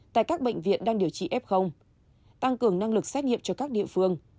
tại các bệnh viện đang điều trị f tăng cường năng lực xét nghiệm cho các địa phương